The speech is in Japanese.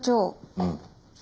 うん。